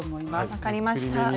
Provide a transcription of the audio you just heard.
分かりました。